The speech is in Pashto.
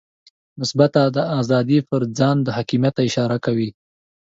مثبته آزادي پر ځان حاکمیت ته اشاره کوي.